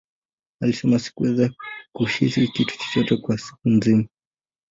Alisema, Sikuweza kuhisi kitu chochote kwa siku nzima.